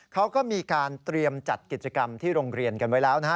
เขาก็มีการเตรียมจัดกิจกรรมที่โรงเรียนกันไว้แล้วนะฮะ